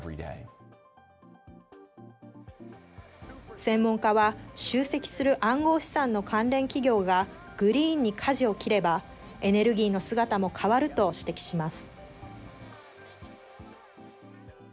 専門家は、集積する暗号資産の関連企業がグリーンにかじを切れば、エネルギーの姿も変わると指摘します。